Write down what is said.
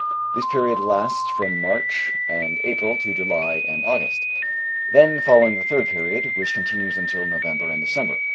This period lasts from March and April to July and August. Then follows the third period, which continues until November and December.